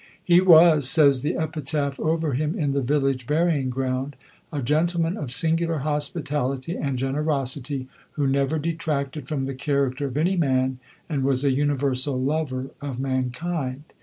He was, says the epitaph over him in the village burying ground, "a gentleman of singular hospitality and generosity, who never detracted from the character of any man, and was a universal lover of mankind."